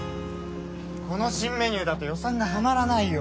この新メニューだと予算がはまらないよ。